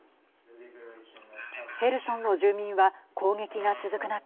ヘルソンの住民は攻撃が続く中